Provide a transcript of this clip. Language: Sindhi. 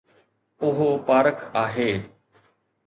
اهو پارڪ آهي